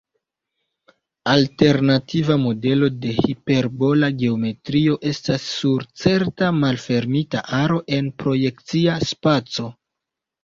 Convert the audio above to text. Alternativa modelo de hiperbola geometrio estas sur certa malfermita aro en projekcia spaco.